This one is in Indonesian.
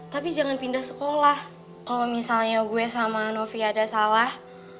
tapi jangan pindah sekolah kalau misalnya gue sama novi ada salah